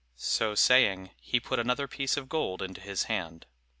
So saying, he put another piece of gold into his hand.